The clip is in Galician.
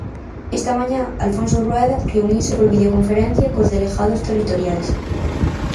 Esta mañá, Alfonso Rueda reuniuse por videoconferencia cos delegados territoriais.